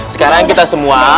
sekarang kita semua